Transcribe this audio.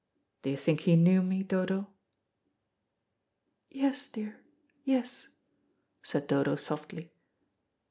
Do you think he knew me, Dodo?" "Yes, dear, yes," said Dodo softly.